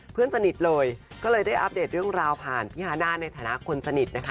เพื่อนสนิทเลยก็เลยได้อัปเดตเรื่องราวผ่านพี่ฮาน่าในฐานะคนสนิทนะคะ